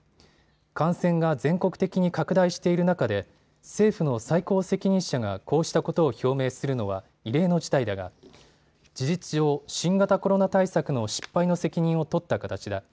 感染が全国的に拡大している中で政府の最高責任者がこうしたことを表明するのは異例の事態だが事実上、新型コロナ対策の失敗の責任を取った形だ。